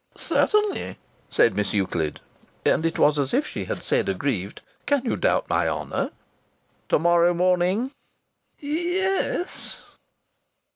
"Certainly!" said Miss Euclid. And it was as if she had said, aggrieved: "Can you doubt my honour?" "To morrow morning?" "Ye es."